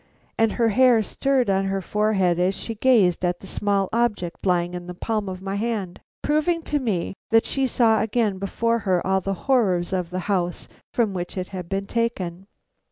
And her hair stirred on her forehead as she gazed at the small object lying in the palm of my hand, proving to me that she saw again before her all the horrors of the house from which it had been taken.